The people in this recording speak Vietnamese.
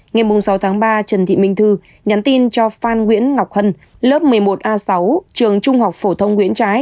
ngày sáu tháng ba trần thị minh thư nhắn tin cho phan nguyễn ngọc hân lớp một mươi một a sáu trường trung học phổ thông nguyễn trái